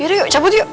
yaudah yuk cabut yuk